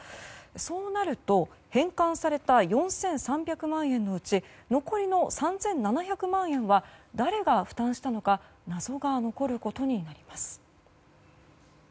そうなると返還された４３００万円のうち残りの３７００万円は誰が負担したのか謎が残ることになります。